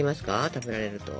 食べられると。